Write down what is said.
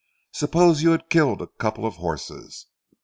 Suppose you had killed a couple of horses?